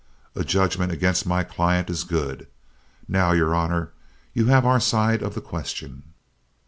A judgment against my client is good. Now, your honor, you have our side of the question.